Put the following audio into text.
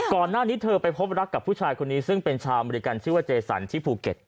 ก่อนหน้านี้เธอไปพบรักกับผู้ชายคนนี้ซึ่งเป็นชาวอเมริกันชื่อว่าเจสันที่ภูเก็ต